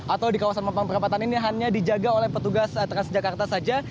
atau di kawasan mampang perapatan ini hanya dijaga oleh petugas transjakarta saja